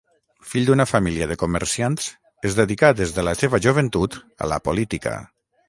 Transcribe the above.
Fill d'una família de comerciants, es dedicà des de la seva joventut a la política.